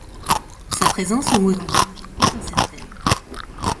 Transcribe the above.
Sa présence au Mozambique est incertaine.